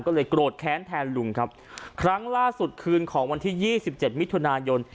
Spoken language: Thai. ก็เลยโกรธแค้นแทนลุงครับครั้งล่าสุดคืนของวันที่ยี่สิบเจ็ดมิถุนายน